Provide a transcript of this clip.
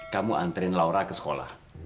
kamu anterin laura ke sekolah